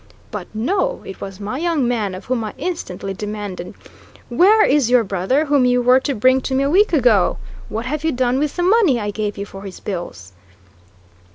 But no; it was my young man, of whom I instantly demanded: "Where is your brother, whom you were to bring to me a week ago? What have you done with the money I gave you for his bills?"